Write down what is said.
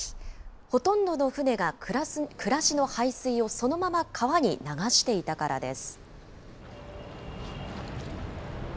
ほとんどの船が、暮らしの排水をそのまま川に流していたからです。